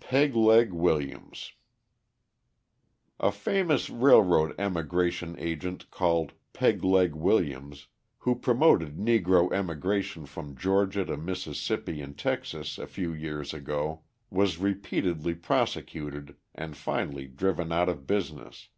"Peg Leg" Williams A famous railroad emigration agent called "Peg Leg" Williams, who promoted Negro emigration from Georgia to Mississippi and Texas a few years ago, was repeatedly prosecuted and finally driven out of business.